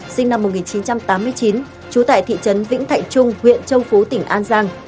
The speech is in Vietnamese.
sinh năm một nghìn chín trăm tám mươi chín trú tại thị trấn vĩnh thạnh trung huyện châu phú tỉnh an giang